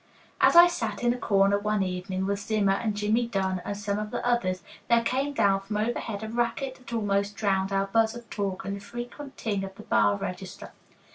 As I sat in a corner one evening with Zimmer and Jimmie Dunn and some of the others, there came down from overhead a racket that almost drowned our buzz of talk and the frequent ting of the bar register.